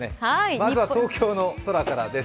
まずは東京の空からです。